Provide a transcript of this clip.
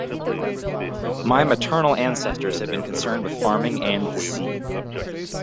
My maternal ancestors have been concerned with farming and the sea.